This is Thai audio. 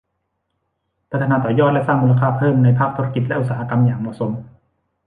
พัฒนาต่อยอดและสร้างมูลค่าเพิ่มในภาคธุรกิจและอุตสาหกรรมอย่างเหมาะสม